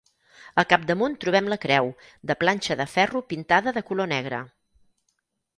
Al capdamunt trobem la creu, de planxa de ferro pintada de color negre.